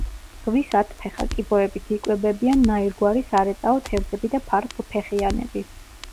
ზღვის ათფეხა კიბოებით იკვებებიან ნაირგვარი სარეწაო თევზები და ფარფლფეხიანები.